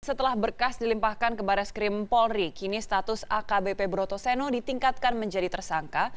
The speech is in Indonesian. setelah berkas dilimpahkan ke barres krim polri kini status akbp brotoseno ditingkatkan menjadi tersangka